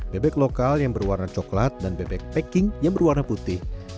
bebek lokal yang berwarna coklat dan bebek packing yang berwarna putih